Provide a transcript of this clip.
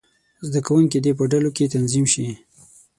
زده کوونکي دې په ډلو کې تنظیم شي.